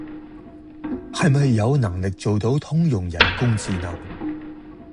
係咪有能力做到通用人工智能